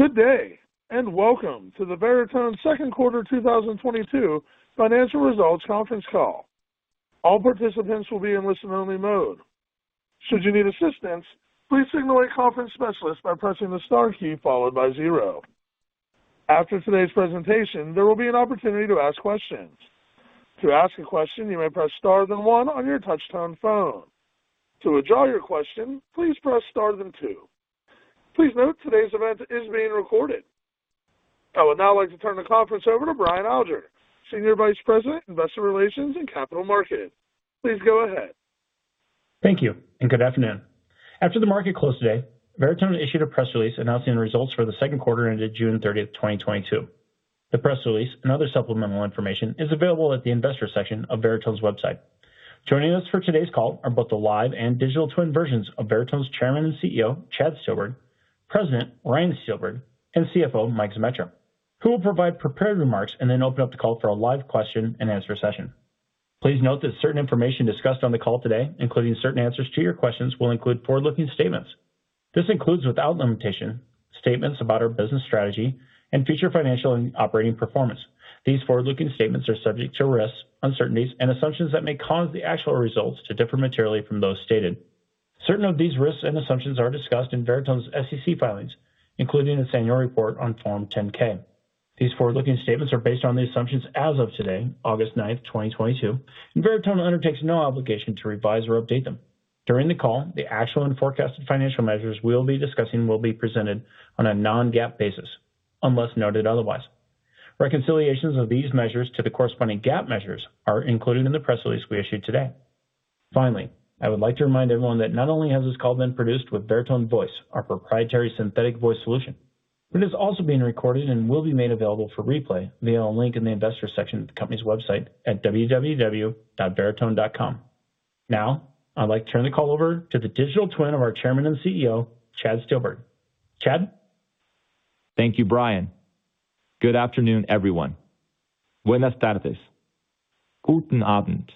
Good day, and welcome to the Veritone second quarter 2022 financial results conference call. All participants will be in listen-only mode. Should you need assistance, please signal a conference specialist by pressing the star key followed by zero. After today's presentation, there will be an opportunity to ask questions. To ask a question, you may press star then one on your touch-tone phone. To withdraw your question, please press star then two. Please note today's event is being recorded. I would now like to turn the conference over to Brian Alger, Senior Vice President, Investor Relations and Capital Markets. Please go ahead. Thank you and good afternoon. After the market closed today, Veritone issued a press release announcing the results for the second quarter ended June 30th, 2022. The press release and other supplemental information is available at the investor section of Veritone's website. Joining us for today's call are both the live and digital twin versions of Veritone's Chairman and CEO, Chad Steelberg, President Ryan Steelberg, and CFO Mike Zemetra, who will provide prepared remarks and then open up the call for a live question-and-answer session. Please note that certain information discussed on the call today, including certain answers to your questions, will include forward-looking statements. This includes, without limitation, statements about our business strategy and future financial and operating performance. These forward-looking statements are subject to risks, uncertainties, and assumptions that may cause the actual results to differ materially from those stated. Certain of these risks and assumptions are discussed in Veritone's SEC filings, including the annual report on Form 10-K. These forward-looking statements are based on the assumptions as of today, August 9th, 2022, and Veritone undertakes no obligation to revise or update them. During the call, the actual and forecasted financial measures we'll be discussing will be presented on a non-GAAP basis, unless noted otherwise. Reconciliations of these measures to the corresponding GAAP measures are included in the press release we issued today. Finally, I would like to remind everyone that not only has this call been produced with Veritone Voice, our proprietary synthetic voice solution, but it is also being recorded and will be made available for replay via a link in the investor section of the company's website at www.veritone.com. Now, I'd like to turn the call over to the digital twin of our Chairman and CEO, Chad Steelberg. Chad. Thank you, Brian. Good afternoon, everyone. Buenas tardes. Guten abend.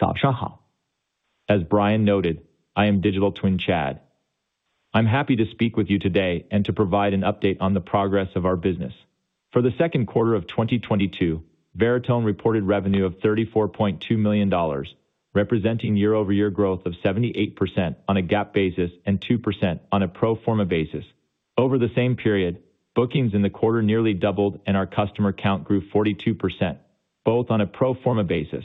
Zǎoshang hǎo. As Brian noted, I am digital twin Chad. I'm happy to speak with you today and to provide an update on the progress of our business. For the second quarter of 2022, Veritone reported revenue of $34.2 million, representing year-over-year growth of 78% on a GAAP basis and 2% on a pro forma basis. Over the same period, bookings in the quarter nearly doubled, and our customer count grew 42%, both on a pro forma basis.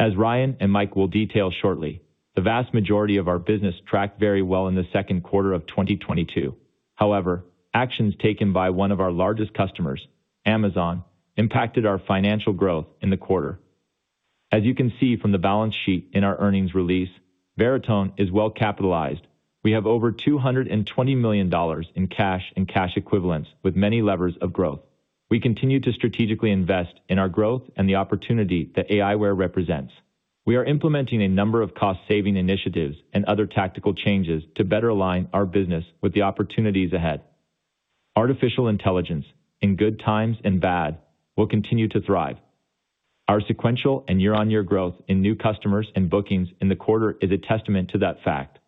As Ryan and Mike will detail shortly, the vast majority of our business tracked very well in the second quarter of 2022. However, actions taken by one of our largest customers, Amazon, impacted our financial growth in the quarter. As you can see from the balance sheet in our earnings release, Veritone is well capitalized. We have over $220 million in cash and cash equivalents with many levers of growth. We continue to strategically invest in our growth and the opportunity that aiWARE represents. We are implementing a number of cost-saving initiatives and other tactical changes to better align our business with the opportunities ahead. Artificial intelligence, in good times and bad, will continue to thrive. Our sequential and year-on-year growth in new customers and bookings in the quarter is a testament to that fact.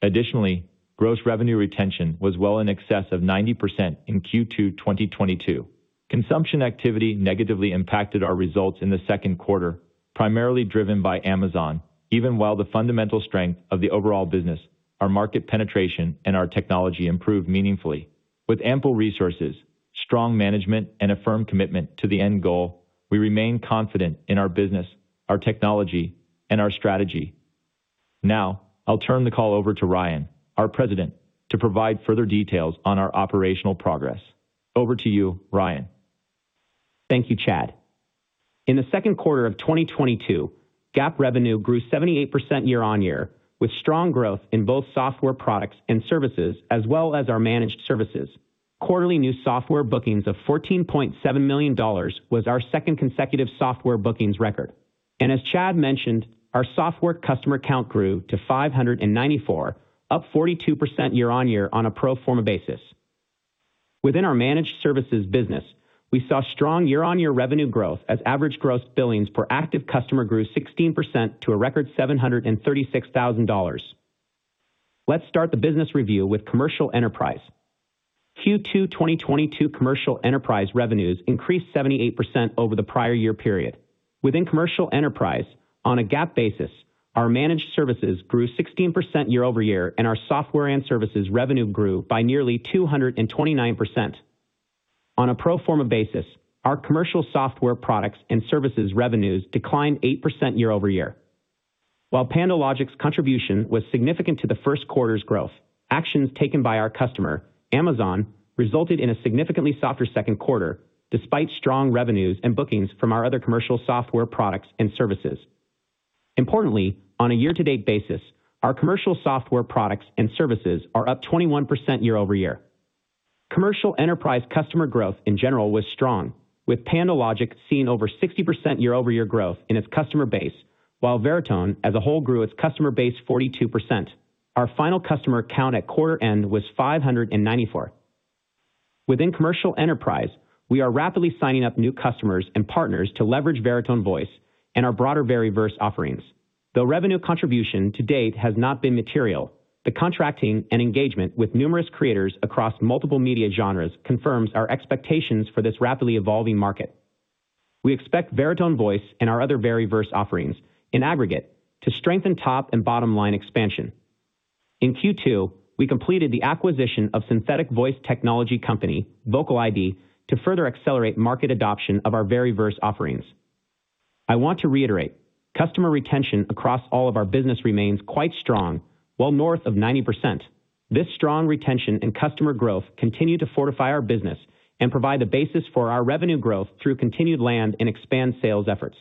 Additionally, gross revenue retention was well in excess of 90% in Q2 2022. Consumption activity negatively impacted our results in the second quarter, primarily driven by Amazon, even while the fundamental strength of the overall business, our market penetration, and our technology improved meaningfully. With ample resources, strong management, and a firm commitment to the end goal, we remain confident in our business, our technology, and our strategy. Now, I'll turn the call over to Ryan, our President, to provide further details on our operational progress. Over to you, Ryan. Thank you, Chad. In the second quarter of 2022, GAAP revenue grew 78% year-on-year, with strong growth in both software products and services as well as our managed services. Quarterly new software bookings of $14.7 million was our second consecutive software bookings record. As Chad mentioned, our software customer count grew to 594, up 42% year-on-year on a pro forma basis. Within our managed services business, we saw strong year-on-year revenue growth as average gross billings per active customer grew 16% to a record $736,000. Let's start the business review with commercial enterprise. Q2 2022 commercial enterprise revenues increased 78% over the prior year period. Within commercial enterprise, on a GAAP basis, our managed services grew 16% year-over-year, and our software and services revenue grew by nearly 229%. On a pro forma basis, our commercial software products and services revenues declined 8% year-over-year. While PandoLogic's contribution was significant to the first quarter's growth, actions taken by our customer, Amazon, resulted in a significantly softer second quarter, despite strong revenues and bookings from our other commercial software products and services. Importantly, on a year-to-date basis, our commercial software products and services are up 21% year-over-year. Commercial enterprise customer growth in general was strong, with PandoLogic seeing over 60% year-over-year growth in its customer base, while Veritone as a whole grew its customer base 42%. Our final customer count at quarter end was 594. Within commercial enterprise, we are rapidly signing up new customers and partners to leverage Veritone Voice and our broader Veriverse offerings. Though revenue contribution to date has not been material, the contracting and engagement with numerous creators across multiple media genres confirms our expectations for this rapidly evolving market. We expect Veritone Voice and our other Veriverse offerings in aggregate to strengthen top and bottom line expansion. In Q2, we completed the acquisition of synthetic voice technology company, VocaliD, to further accelerate market adoption of our Veriverse offerings. I want to reiterate, customer retention across all of our business remains quite strong, well north of 90%. This strong retention and customer growth continue to fortify our business and provide the basis for our revenue growth through continued land and expand sales efforts.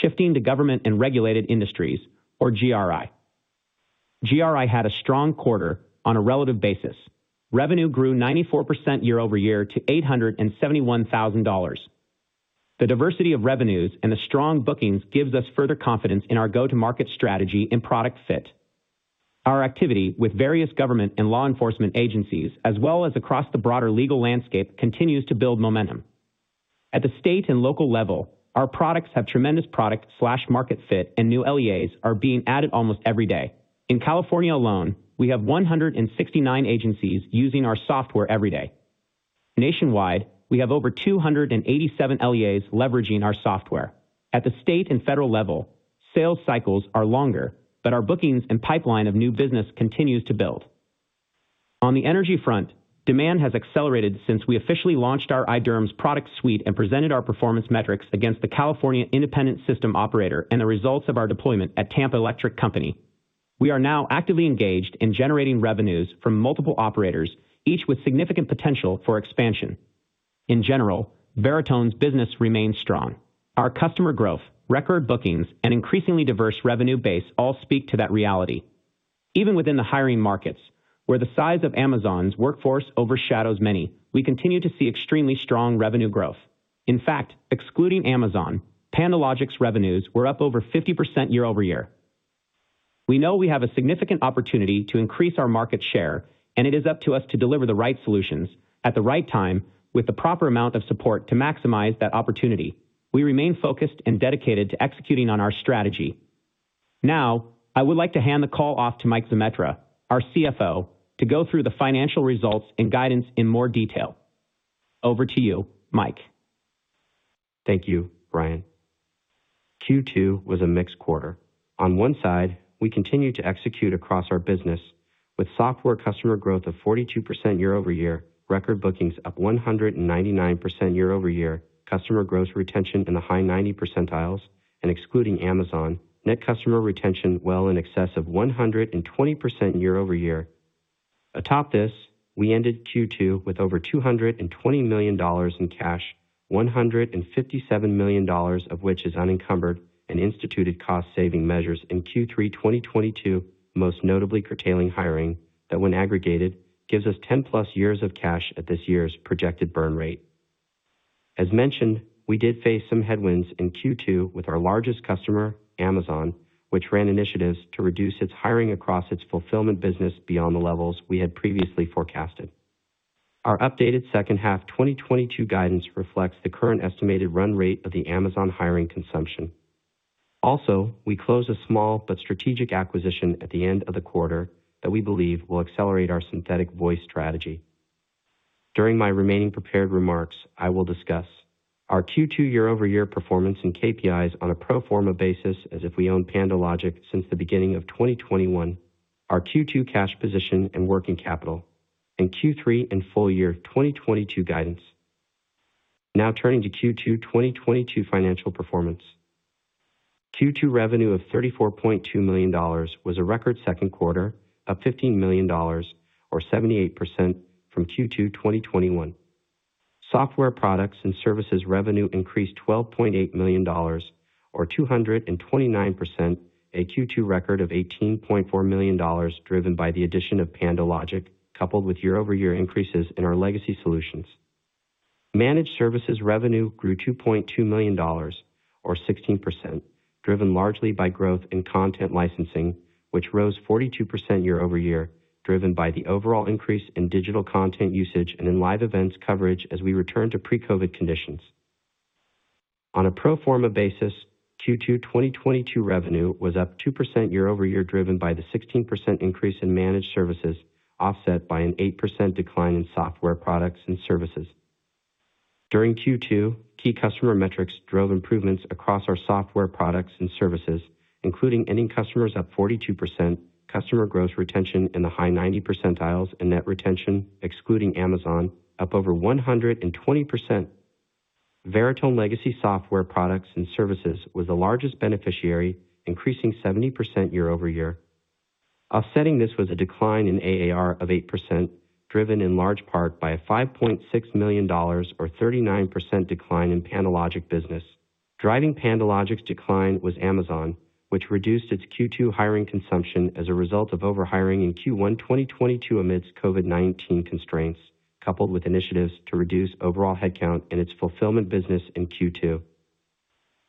Shifting to government and regulated industries or GRI. GRI had a strong quarter on a relative basis. Revenue grew 94% year-over-year to $871,000. The diversity of revenues and the strong bookings gives us further confidence in our go-to-market strategy and product fit. Our activity with various government and law enforcement agencies, as well as across the broader legal landscape, continues to build momentum. At the state and local level, our products have tremendous product/market fit, and new LEAs are being added almost every day. In California alone, we have 169 agencies using our software every day. Nationwide, we have over 287 LEAs leveraging our software. At the state and federal level, sales cycles are longer, but our bookings and pipeline of new business continues to build. On the energy front, demand has accelerated since we officially launched our iDERMS product suite and presented our performance metrics against the California Independent System Operator and the results of our deployment at Tampa Electric Company. We are now actively engaged in generating revenues from multiple operators, each with significant potential for expansion. In general, Veritone's business remains strong. Our customer growth, record bookings, and increasingly diverse revenue base all speak to that reality. Even within the hiring markets, where the size of Amazon's workforce overshadows many, we continue to see extremely strong revenue growth. In fact, excluding Amazon, PandoLogic's revenues were up over 50% year-over-year. We know we have a significant opportunity to increase our market share, and it is up to us to deliver the right solutions at the right time with the proper amount of support to maximize that opportunity. We remain focused and dedicated to executing on our strategy. Now, I would like to hand the call off to Mike Zemetra, our CFO, to go through the financial results and guidance in more detail. Over to you, Mike. Thank you, Brian. Q2 was a mixed quarter. On one side, we continued to execute across our business with software customer growth of 42% year-over-year, record bookings up 199% year-over-year, customer gross retention in the high 90s, and excluding Amazon, net customer retention well in excess of 120% year-over-year. Atop this, we ended Q2 with over $220 million in cash, $157 million of which is unencumbered and instituted cost saving measures in Q3 2022, most notably curtailing hiring that when aggregated, gives us 10+ years of cash at this year's projected burn rate. As mentioned, we did face some headwinds in Q2 with our largest customer, Amazon, which ran initiatives to reduce its hiring across its fulfillment business beyond the levels we had previously forecasted. Our updated second half 2022 guidance reflects the current estimated run rate of the Amazon hiring consumption. We closed a small but strategic acquisition at the end of the quarter that we believe will accelerate our synthetic voice strategy. During my remaining prepared remarks, I will discuss our Q2 year-over-year performance and KPIs on a pro forma basis as if we own PandoLogic since the beginning of 2021, our Q2 cash position and working capital, and Q3 and full year 2022 guidance. Now turning to Q2 2022 financial performance. Q2 revenue of $34.2 million was a record second quarter, up $15 million or 78% from Q2 2021. Software products and services revenue increased $12.8 million or 229%, a Q2 record of $18.4 million driven by the addition of PandoLogic, coupled with year-over-year increases in our legacy solutions. Managed services revenue grew $2.2 million or 16%, driven largely by growth in content licensing, which rose 42% year-over-year, driven by the overall increase in digital content usage and in live events coverage as we return to pre-COVID conditions. On a pro forma basis, Q2 2022 revenue was up 2% year-over-year, driven by the 16% increase in managed services, offset by an 8% decline in software products and services. During Q2, key customer metrics drove improvements across our software products and services, including ending customers up 42%, customer gross retention in the high 90 percentiles, and net retention excluding Amazon up over 120%. Veritone legacy software products and services was the largest beneficiary, increasing 70% year over year. Offsetting this was a decline in AAR of 8%, driven in large part by a $5.6 million or 39% decline in PandoLogic business. Driving PandoLogic's decline was Amazon, which reduced its Q2 hiring consumption as a result of over-hiring in Q1 2022 amidst COVID-19 constraints, coupled with initiatives to reduce overall headcount in its fulfillment business in Q2.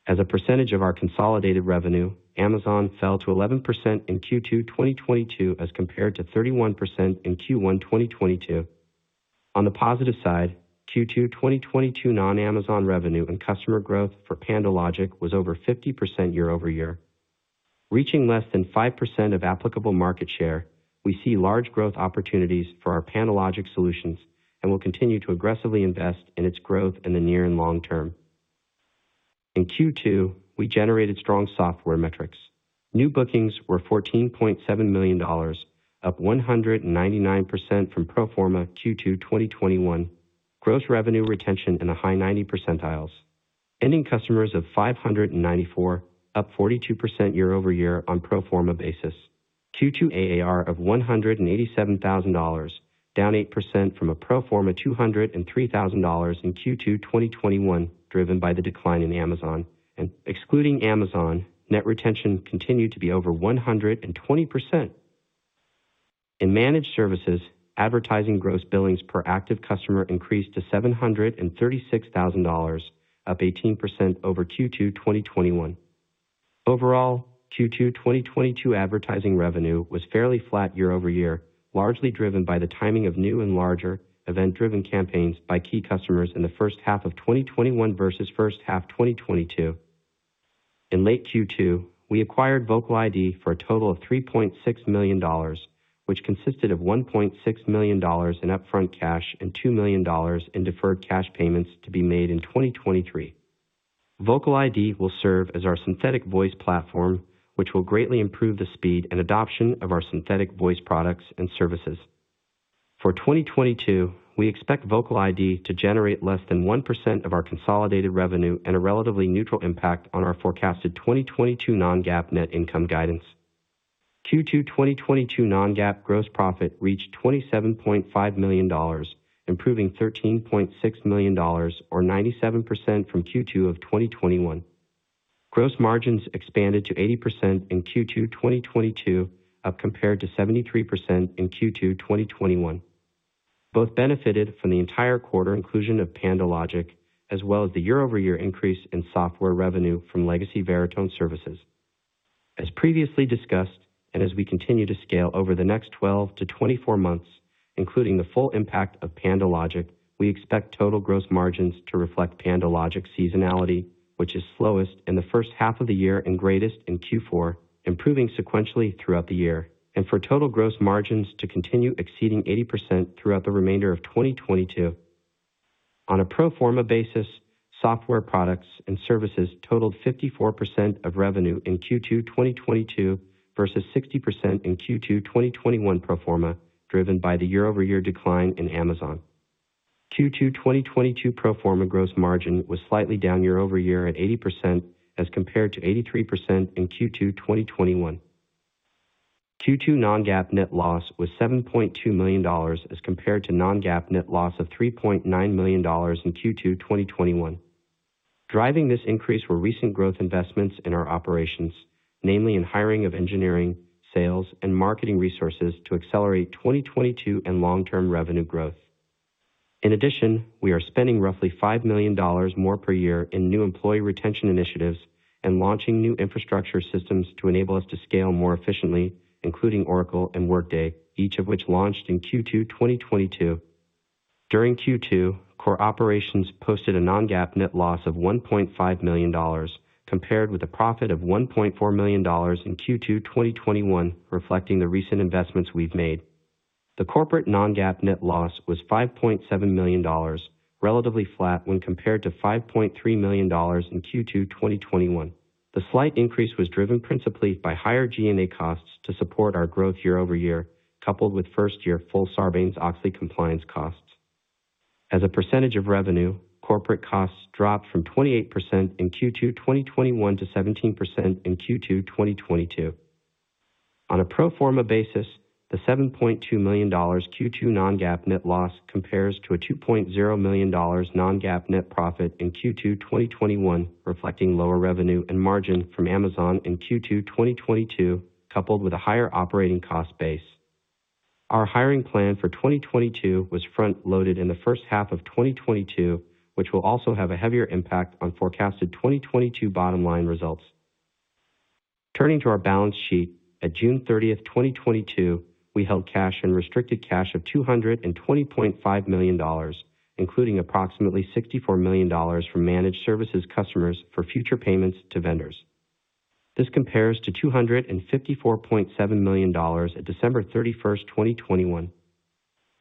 As a percentage of our consolidated revenue, Amazon fell to 11% in Q2 2022 as compared to 31% in Q1 2022. On the positive side, Q2 2022 non-Amazon revenue and customer growth for PandoLogic was over 50% year-over-year. Reaching less than 5% of applicable market share, we see large growth opportunities for our PandoLogic solutions and will continue to aggressively invest in its growth in the near and long term. In Q2, we generated strong software metrics. New bookings were $14.7 million, up 199% from pro forma Q2 2021. Gross revenue retention in the high 90s. Ending customers of 594, up 42% year-over-year on pro forma basis. Q2 AAR of $187,000, down 8% from a pro forma $203,000 in Q2 2021, driven by the decline in Amazon. Excluding Amazon, net retention continued to be over 120%. In managed services, advertising gross billings per active customer increased to $736,000, up 18% over Q2 2021. Overall, Q2 2022 advertising revenue was fairly flat year over year, largely driven by the timing of new and larger event-driven campaigns by key customers in the first half of 2021 versus first half 2022. In late Q2, we acquired VocaliD for a total of $3.6 million, which consisted of $1.6 million in upfront cash and $2 million in deferred cash payments to be made in 2023. VocaliD will serve as our synthetic voice platform, which will greatly improve the speed and adoption of our synthetic voice products and services. For 2022, we expect VocaliD to generate less than 1% of our consolidated revenue and a relatively neutral impact on our forecasted 2022 non-GAAP net income guidance. Q2 2022 non-GAAP gross profit reached $27.5 million, improving $13.6 million or 97% from Q2 of 2021. Gross margins expanded to 80% in Q2 2022, up compared to 73% in Q2 2021. Both benefited from the entire quarter inclusion of PandoLogic, as well as the year-over-year increase in software revenue from legacy Veritone services. As previously discussed, as we continue to scale over the next 12-24 months, including the full impact of PandoLogic, we expect total gross margins to reflect PandoLogic seasonality, which is slowest in the first half of the year and greatest in Q4, improving sequentially throughout the year, and for total gross margins to continue exceeding 80% throughout the remainder of 2022. On a pro forma basis, software products and services totaled 54% of revenue in Q2 2022 versus 60% in Q2 2021 pro forma, driven by the year-over-year decline in Amazon. Q2 2022 pro forma gross margin was slightly down year-over-year at 80% as compared to 83% in Q2 2021. Q2 non-GAAP net loss was $7.2 million as compared to non-GAAP net loss of $3.9 million in Q2 2021. Driving this increase were recent growth investments in our operations, namely in hiring of engineering, sales, and marketing resources to accelerate 2022 and long-term revenue growth. In addition, we are spending roughly $5 million more per year in new employee retention initiatives and launching new infrastructure systems to enable us to scale more efficiently, including Oracle and Workday, each of which launched in Q2 2022. During Q2, core operations posted a non-GAAP net loss of $1.5 million, compared with a profit of $1.4 million in Q2 2021, reflecting the recent investments we've made. The corporate non-GAAP net loss was $5.7 million, relatively flat when compared to $5.3 million in Q2 2021. The slight increase was driven principally by higher G&A costs to support our growth year-over-year, coupled with first-year full Sarbanes-Oxley compliance costs. As a percentage of revenue, corporate costs dropped from 28% in Q2 2021 to 17% in Q2 2022. On a pro forma basis, the $7.2 million Q2 non-GAAP net loss compares to a $2.0 million non-GAAP net profit in Q2 2021, reflecting lower revenue and margin from Amazon in Q2 2022, coupled with a higher operating cost base. Our hiring plan for 2022 was front-loaded in the first half of 2022, which will also have a heavier impact on forecasted 2022 bottom line results. Turning to our balance sheet, at June 30th, 2022, we held cash and restricted cash of $220.5 million, including approximately $64 million from managed services customers for future payments to vendors. This compares to $254.7 million at December 31st, 2021.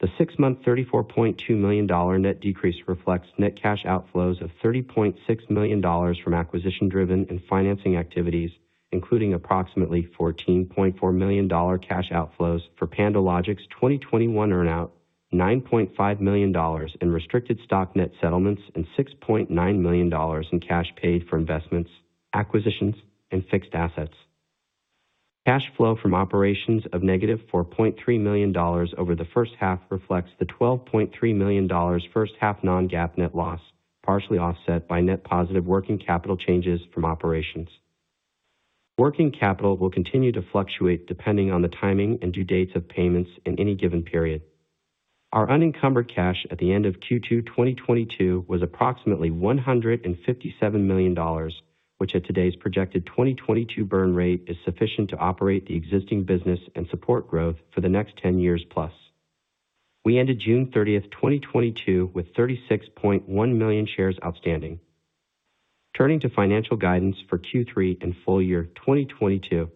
The six-month $34.2 million net decrease reflects net cash outflows of $30.6 million from acquisition-driven and financing activities, including approximately $14.4 million cash outflows for PandoLogic's 2021 earn-out, $9.5 million in restricted stock net settlements, and $6.9 million in cash paid for investments, acquisitions, and fixed assets. Cash flow from operations of -$4.3 million over the first half reflects the $12.3 million first half non-GAAP net loss, partially offset by net positive working capital changes from operations. Working capital will continue to fluctuate depending on the timing and due dates of payments in any given period. Our unencumbered cash at the end of Q2 2022 was approximately $157 million, which at today's projected 2022 burn rate is sufficient to operate the existing business and support growth for the next 10+ years. We ended June 30th, 2022 with 36.1 million shares outstanding. Turning to financial guidance for Q3 and full year 2022.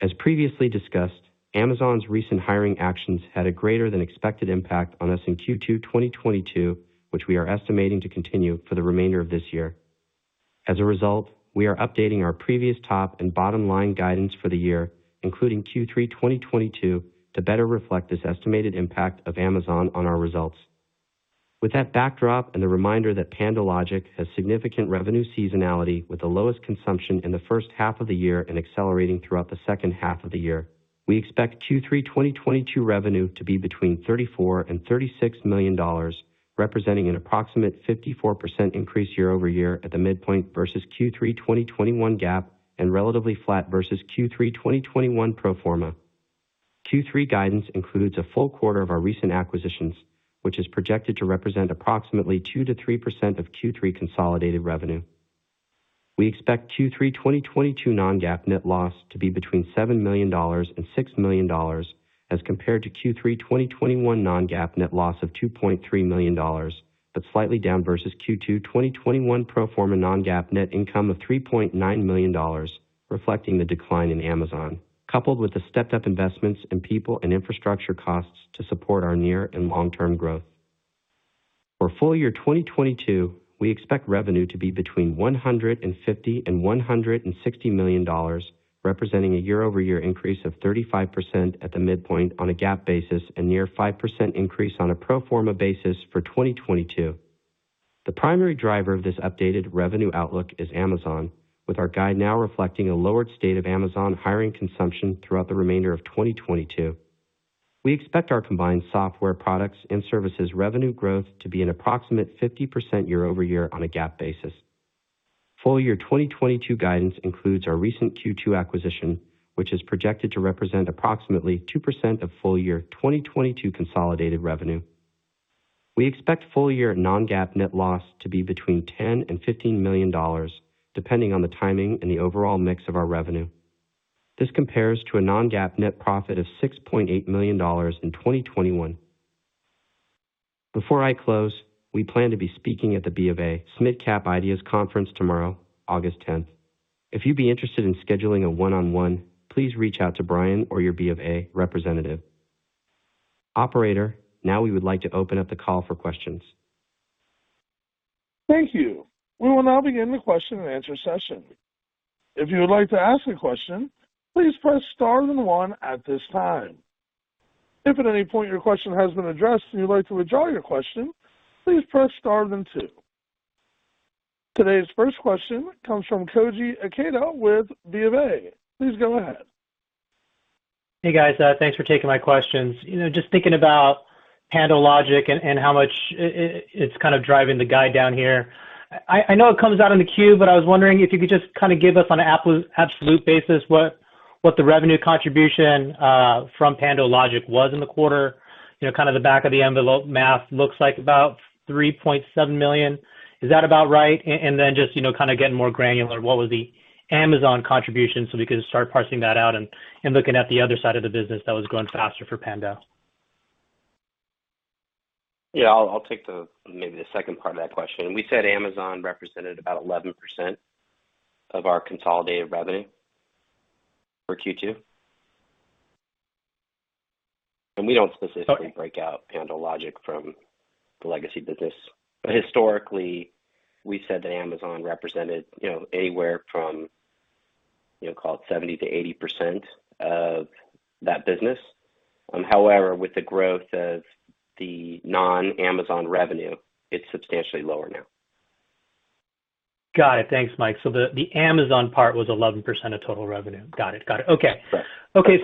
As previously discussed, Amazon's recent hiring actions had a greater than expected impact on us in Q2 2022, which we are estimating to continue for the remainder of this year. As a result, we are updating our previous top and bottom-line guidance for the year, including Q3 2022, to better reflect this estimated impact of Amazon on our results. With that backdrop and the reminder that PandoLogic has significant revenue seasonality with the lowest consumption in the first half of the year and accelerating throughout the second half of the year, we expect Q3 2022 revenue to be between $34 million and $36 million, representing an approximate 54% increase year-over-year at the midpoint versus Q3 2021 GAAP and relatively flat versus Q3 2021 pro forma. Q3 guidance includes a full quarter of our recent acquisitions, which is projected to represent approximately 2%-3% of Q3 consolidated revenue. We expect Q3 2022 non-GAAP net loss to be between $7 million and $6 million as compared to Q3 2021 non-GAAP net loss of $2.3 million, but slightly down versus Q2 2021 pro forma non-GAAP net income of $3.9 million, reflecting the decline in Amazon, coupled with the stepped up investments in people and infrastructure costs to support our near and long-term growth. For full year 2022, we expect revenue to be between $150 million and $160 million, representing a year-over-year increase of 35% at the midpoint on a GAAP basis and near 5% increase on a pro forma basis for 2022. The primary driver of this updated revenue outlook is Amazon, with our guide now reflecting a lowered state of Amazon hiring consumption throughout the remainder of 2022. We expect our combined software products and services revenue growth to be an approximate 50% year-over-year on a GAAP basis. Full year 2022 guidance includes our recent Q2 acquisition, which is projected to represent approximately 2% of full year 2022 consolidated revenue. We expect full year non-GAAP net loss to be between $10 million and $15 million, depending on the timing and the overall mix of our revenue. This compares to a non-GAAP net profit of $6.8 million in 2021. Before I close, we plan to be speaking at the BofA SMID Cap Ideas Conference tomorrow, August 10th. If you'd be interested in scheduling a one-on-one, please reach out to Brian or your BofA representative. Operator, now we would like to open up the call for questions. Thank you. We will now begin the question and answer session. If you would like to ask a question, please press star then one at this time. If at any point your question has been addressed and you'd like to withdraw your question, please press star then two. Today's first question comes from Koji Ikeda with BofA. Please go ahead. Hey, guys. Thanks for taking my questions. You know, just thinking about PandoLogic and how much it's kind of driving the guide down here. I know it comes out in the Q, but I was wondering if you could just kind of give us on an absolute basis what the revenue contribution from PandoLogic was in the quarter. You know, kind of the back of the envelope math looks like about $3.7 million. Is that about right? And then just, you know, kind of getting more granular, what was the Amazon contribution, so we could start parsing that out and looking at the other side of the business that was growing faster for Pando. Yeah, I'll take maybe the second part of that question. We said Amazon represented about 11% of our consolidated revenue for Q2. We don't specifically break out PandoLogic from the legacy business. Historically, we said that Amazon represented, you know, anywhere from, you know, call it 70%-80% of that business. However, with the growth of the non-Amazon revenue, it's substantially lower now. Got it. Thanks, Mike. The Amazon part was 11% of total revenue. Got it. Got it. Okay. Right. Okay.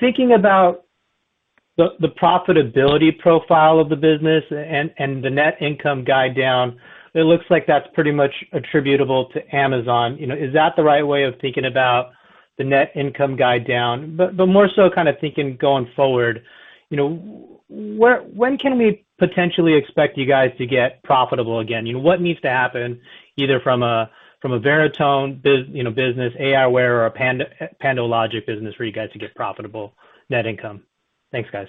Thinking about the profitability profile of the business and the net income guide down, it looks like that's pretty much attributable to Amazon. You know, is that the right way of thinking about the net income guide down? More so kind of thinking going forward, you know, when can we potentially expect you guys to get profitable again? You know, what needs to happen either from a Veritone business, aiWARE or a PandoLogic business for you guys to get profitable net income? Thanks, guys.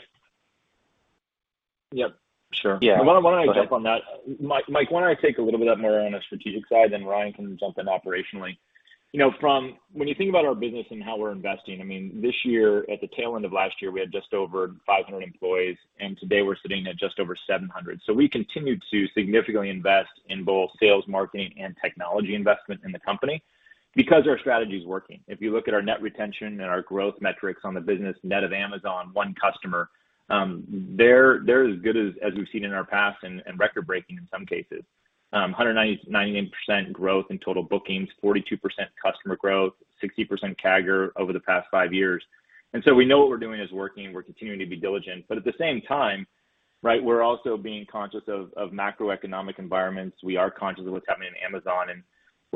Yep, sure. Yeah. Why don't I jump on that? Mike, why don't I take a little bit more on a strategic side, then Ryan can jump in operationally. You know, from when you think about our business and how we're investing, I mean, this year, at the tail end of last year, we had just over 500 employees, and today we're sitting at just over 700. We continued to significantly invest in both sales, marketing, and technology investment in the company because our strategy is working. If you look at our net retention and our growth metrics on the business net of Amazon, one customer, they're as good as we've seen in our past and record-breaking in some cases. 199% growth in total bookings, 42% customer growth, 60% CAGR over the past five years. We know what we're doing is working. We're continuing to be diligent. At the same time Right. We're also being conscious of macroeconomic environments. We are conscious of what's happening in Amazon,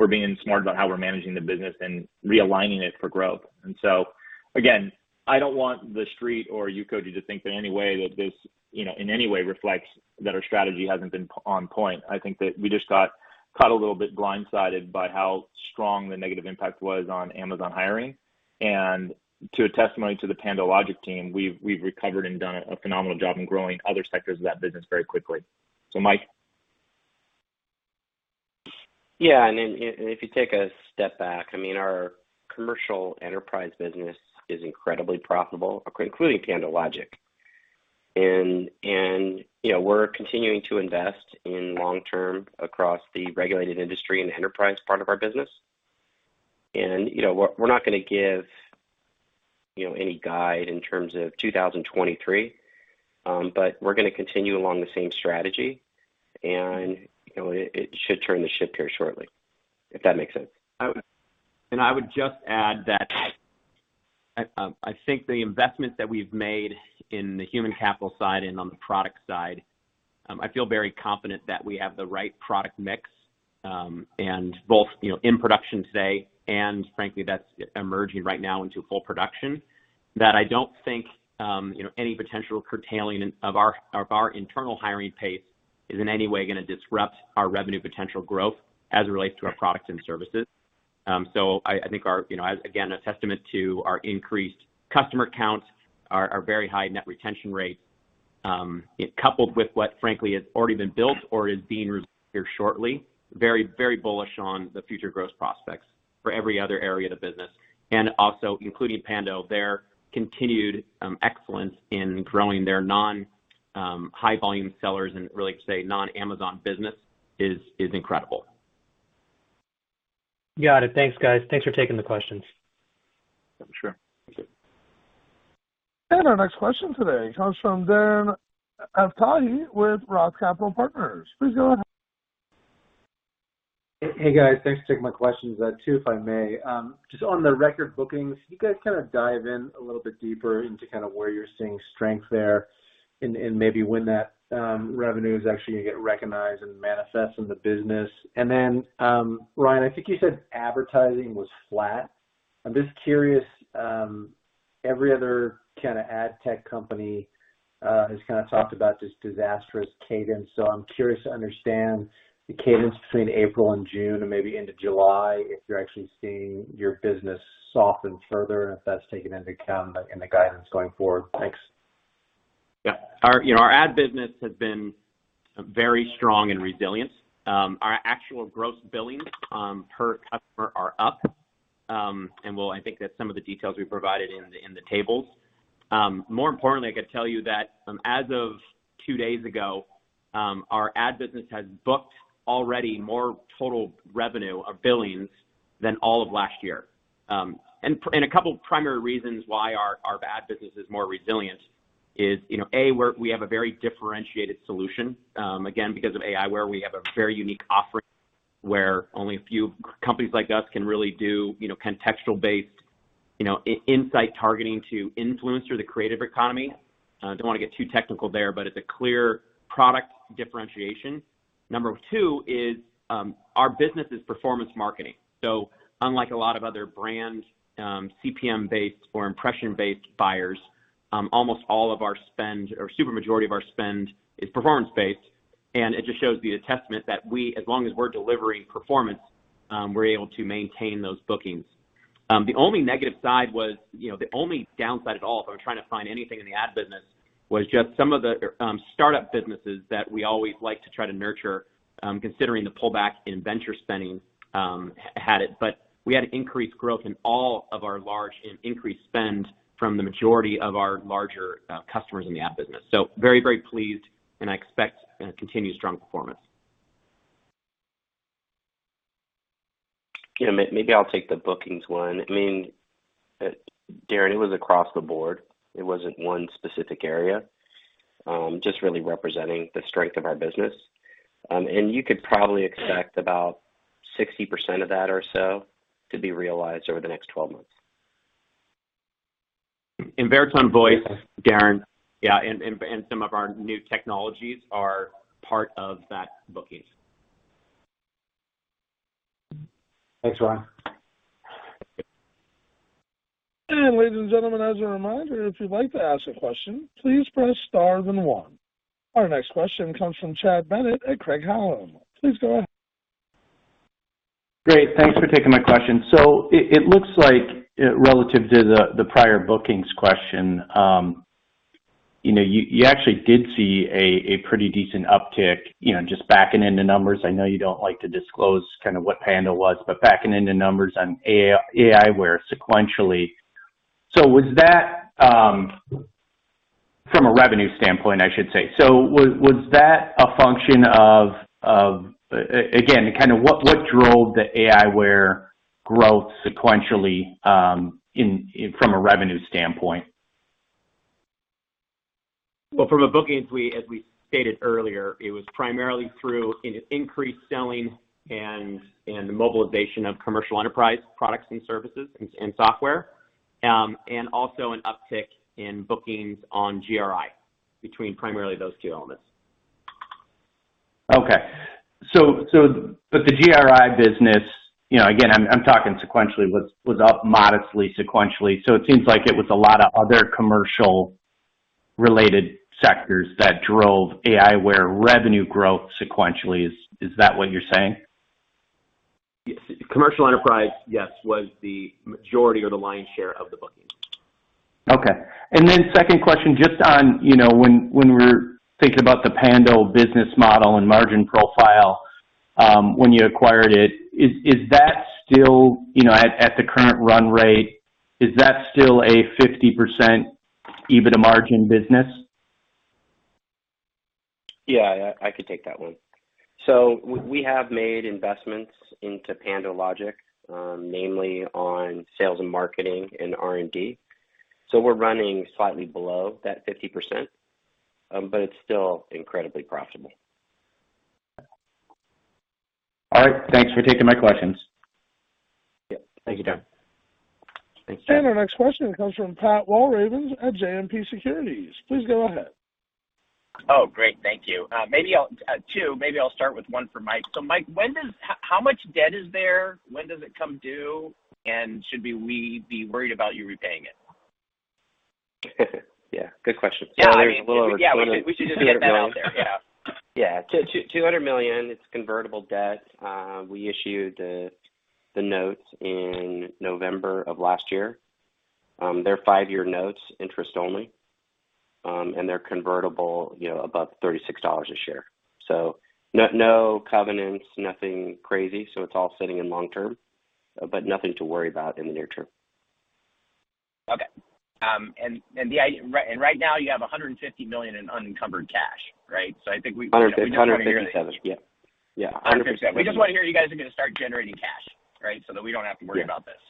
and we're being smart about how we're managing the business and realigning it for growth. Again, I don't want the Street or you, Koji, to think that any way that this, you know, in any way reflects that our strategy hasn't been on point. I think that we just got caught a little bit blindsided by how strong the negative impact was on Amazon hiring. A testament to the PandoLogic team, we've recovered and done a phenomenal job in growing other sectors of that business very quickly. Mike. Yeah. If you take a step back, I mean, our commercial enterprise business is incredibly profitable, including PandoLogic. You know, we're continuing to invest in long-term across the regulated industry and the enterprise part of our business. You know, we're not gonna give, you know, any guide in terms of 2023. We're gonna continue along the same strategy, and, you know, it should turn the ship here shortly, if that makes sense. I would just add that I think the investments that we've made in the human capital side and on the product side, I feel very confident that we have the right product mix, and both, you know, in production today and frankly, that's emerging right now into full production. That I don't think, you know, any potential curtailing of our internal hiring pace is in any way gonna disrupt our revenue potential growth as it relates to our products and services. I think you know, as again, a testament to our increased customer counts, our very high net retention rates, coupled with what frankly has already been built or is being here shortly, very, very bullish on the future growth prospects for every other area of the business. Also including PandoLogic, their continued excellence in growing their non-high volume sellers and really to say non-Amazon business is incredible. Got it. Thanks, guys. Thanks for taking the questions. Sure. Thank you. Our next question today comes from Darren Aftahi with ROTH Capital Partners. Please go ahead. Hey, guys. Thanks for taking my questions. Two, if I may. Just on the record bookings, can you guys kinda dive in a little bit deeper into kind of where you're seeing strength there and maybe when that revenue is actually gonna get recognized and manifests in the business? Ryan, I think you said advertising was flat. I'm just curious, every other kinda ad tech company has kinda talked about this disastrous cadence. I'm curious to understand the cadence between April and June or maybe into July, if you're actually seeing your business soften further and if that's taken into account in the guidance going forward. Thanks. Yeah. Our you know our ad business has been very strong and resilient. Our actual gross billings per customer are up. I think that's some of the details we provided in the tables. More importantly, I could tell you that as of two days ago our ad business has booked already more total revenue or billings than all of last year. A couple primary reasons why our ad business is more resilient is you know A we have a very differentiated solution again because of aiWARE we have a very unique offering where only a few companies like us can really do you know contextual-based you know insight targeting to influence through the creative economy. Don't wanna get too technical there but it's a clear product differentiation. Number two is our business is performance marketing. Unlike a lot of other brand CPM-based or impression-based buyers, almost all of our spend or super majority of our spend is performance-based, and it just shows the testament that we as long as we're delivering performance, we're able to maintain those bookings. The only negative side was you know the only downside at all, if I'm trying to find anything in the ad business, was just some of the startup businesses that we always like to try to nurture, considering the pullback in venture spending, had it. We had increased growth in all of our large and increased spend from the majority of our larger customers in the ad business. Very, very pleased, and I expect continued strong performance. Yeah, maybe I'll take the bookings one. I mean, Darren, it was across the board. Just really representing the strength of our business. You could probably expect about 60% of that or so to be realized over the next 12 months. Veritone Voice, Darren, yeah, and some of our new technologies are part of that bookings. Thanks, Ryan. Ladies and gentlemen, as a reminder, if you'd like to ask a question, please press star then one. Our next question comes from Chad Bennett at Craig-Hallum. Please go ahead. Great. Thanks for taking my question. It looks like, relative to the prior bookings question, you know, you actually did see a pretty decent uptick, you know, just backing into numbers. I know you don't like to disclose kind of what PandoLogic was, but backing into numbers on AI, aiWARE sequentially. Was that from a revenue standpoint, I should say. Was that a function of again, kind of what drove the aiWARE growth sequentially in from a revenue standpoint? Well, from a bookings, as we stated earlier, it was primarily through increased selling and the mobilization of commercial enterprise products and services and software. An uptick in bookings on GRI between primarily those two elements. But the GRI business, you know, again, I'm talking sequentially was up modestly sequentially. It seems like it was a lot of other commercial related sectors that drove aiWARE revenue growth sequentially. Is that what you're saying? Yes. Commercial enterprise, yes, was the majority or the lion's share of the bookings. Okay. Second question just on, you know, when we're thinking about the PandoLogic business model and margin profile, when you acquired it, is that still, you know, at the current run rate, is that still a 50% EBITDA margin business? Yeah, I could take that one. We have made investments into PandoLogic, mainly on sales and marketing and R&D. We're running slightly below that 50%, but it's still incredibly profitable. All right. Thanks for taking my questions. Yeah. Thank you, Chad. Our next question comes from Pat Walravens at JMP Securities. Please go ahead. Oh, great. Thank you. Maybe I'll start with one for Mike. Mike, how much debt is there? When does it come due? And should we be worried about you repaying it? Yeah, good question. Yeah, I mean. There's a little over $200 million. We should just get that out there. Yeah. Yeah. $200 million. It's convertible debt. We issued the notes in November of last year. They're five-year notes, interest only. They're convertible, you know, above $36 a share. No covenants, nothing crazy. It's all sitting in long term, but nothing to worry about in the near term. Okay. Right, and right now you have $150 million in unencumbered cash, right? I think we- 157. Yeah. Yeah. 157. We just wanna hear you guys are gonna start generating cash, right? So that we don't have to worry about this.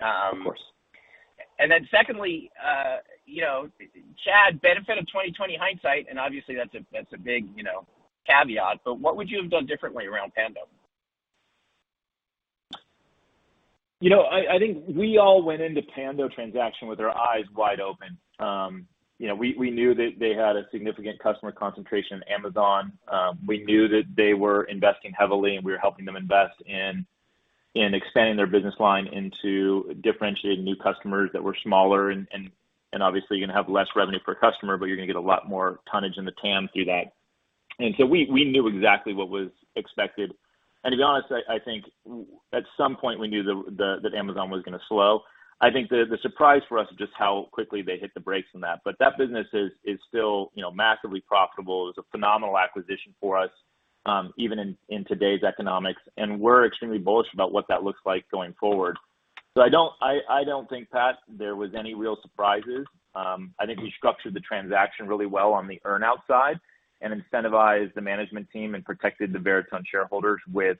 Yeah. Of course. Secondly, you know, Chad, benefit of 20/20 hindsight, and obviously that's a big, you know, caveat, but what would you have done differently around PandoLogic? You know, I think we all went into PandoLogic transaction with our eyes wide open. You know, we knew that they had a significant customer concentration in Amazon. We knew that they were investing heavily, and we were helping them invest in expanding their business line into differentiated new customers that were smaller and obviously gonna have less revenue per customer, but you're gonna get a lot more tonnage in the TAM through that. We knew exactly what was expected. To be honest, I think at some point we knew that Amazon was gonna slow. I think the surprise for us is just how quickly they hit the brakes on that. That business is still you know, massively profitable. It was a phenomenal acquisition for us, even in today's economics, and we're extremely bullish about what that looks like going forward. I don't think, Pat, there was any real surprises. I think we structured the transaction really well on the earn-out side and incentivized the management team and protected the Veritone shareholders with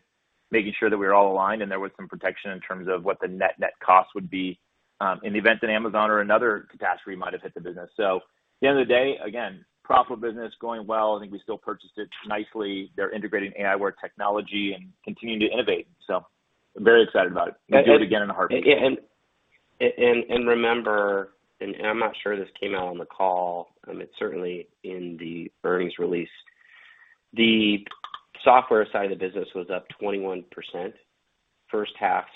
making sure that we were all aligned and there was some protection in terms of what the net cost would be, in the event that Amazon or another catastrophe might have hit the business. At the end of the day, again, profitable business, going well. I think we still purchased it nicely. They're integrating aiWARE technology and continuing to innovate. I'm very excited about it. We'd do it again in a heartbeat. Remember, I'm not sure this came out on the call. It's certainly in the earnings release. The software side of the business was up 21% first half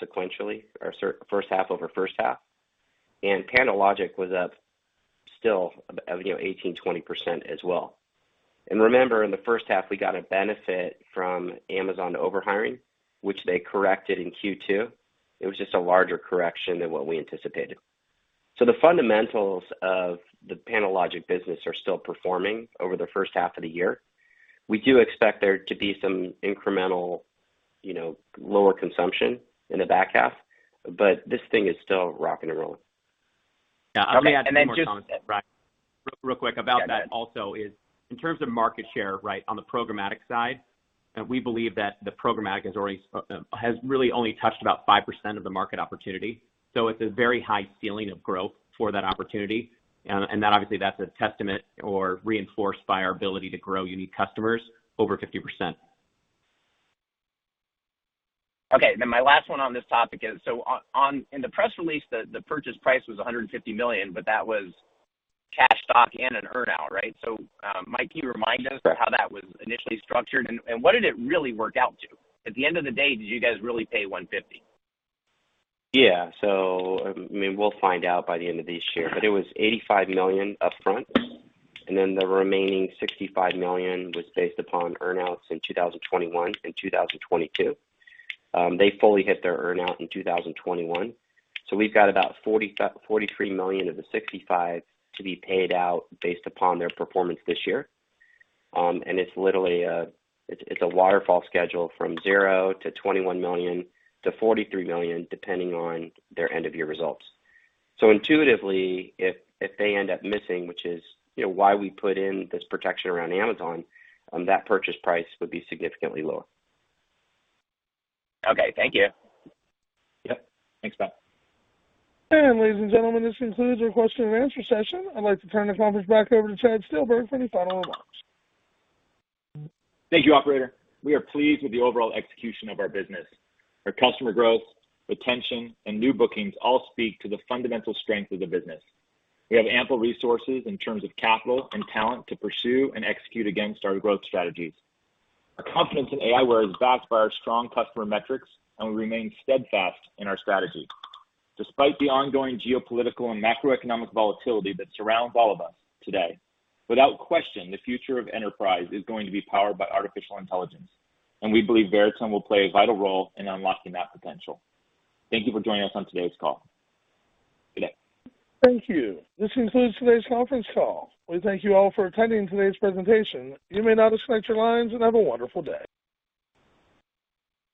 over first half, and PandoLogic was up still about, you know, 18%-20% as well. Remember, in the first half, we got a benefit from Amazon over-hiring, which they corrected in Q2. It was just a larger correction than what we anticipated. The fundamentals of the PandoLogic business are still performing over the first half of the year. We do expect there to be some incremental, you know, lower consumption in the back half, but this thing is still rocking and rolling. Yeah. Okay. I have two more comments, Mike. Yeah, go ahead. Real quick about that also is in terms of market share, right, on the programmatic side, we believe that the programmatic has really only touched about 5% of the market opportunity. It's a very high ceiling of growth for that opportunity. That obviously that's a testament or reinforced by our ability to grow unique customers over 50%. Okay. My last one on this topic is, in the press release, the purchase price was $150 million, but that was cash, stock and an earn-out, right? Mike, can you remind us how that was initially structured, and what did it really work out to? At the end of the day, did you guys really pay $150? Yeah. I mean, we'll find out by the end of this year. It was $85 million upfront, and then the remaining $65 million was based upon earn-outs in 2021 and 2022. They fully hit their earn-out in 2021. We've got about $43 million of the $65 to be paid out based upon their performance this year. It's literally a waterfall schedule from zero to $21 million-$43 million, depending on their end of year results. Intuitively, if they end up missing, which is, you know, why we put in this protection around Amazon, that purchase price would be significantly lower. Okay. Thank you. Yep. Thanks, Pat. Ladies and gentlemen, this concludes our question and answer session. I'd like to turn the conference back over to Chad Steelberg for any final remarks. Thank you, operator. We are pleased with the overall execution of our business. Our customer growth, retention, and new bookings all speak to the fundamental strength of the business. We have ample resources in terms of capital and talent to pursue and execute against our growth strategies. Our confidence in aiWARE is backed by our strong customer metrics, and we remain steadfast in our strategy. Despite the ongoing geopolitical and macroeconomic volatility that surrounds all of us today, without question, the future of enterprise is going to be powered by artificial intelligence, and we believe Veritone will play a vital role in unlocking that potential. Thank you for joining us on today's call. Good day. Thank you. This concludes today's conference call. We thank you all for attending today's presentation. You may now disconnect your lines and have a wonderful day.